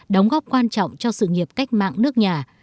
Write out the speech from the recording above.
đóng góp quan trọng cho sự nghiệp cách mạng nước nhà